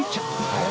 はい。